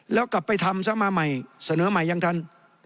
แล้วกลับไปทำซะมาใหม่เสนอใหม่ยังทัน